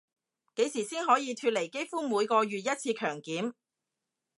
幾時先可以脫離幾乎每個月一次強檢